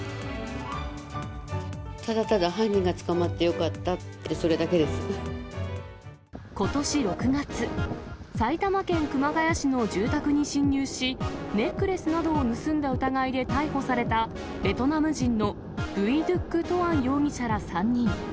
ただただ犯人が捕まってよかことし６月、埼玉県熊谷市の住宅に侵入し、ネックレスなどを盗んだ疑いで逮捕されたベトナム人のブイ・ドゥック・トアン容疑者ら、３人。